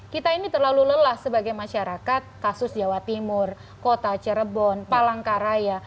kita ini terlalu lelah sebagai masyarakat kasus jawa timur kota cirebon palangkaraya